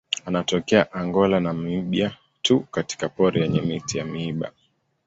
Anatokea Angola na Namibia tu katika pori yenye miti ya miiba.